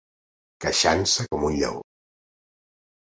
Queixant-se com un lleó.